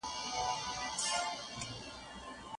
د هرات خلک بې ادبه نه دي.